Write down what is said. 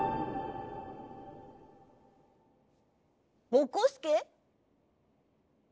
ぼこすけ？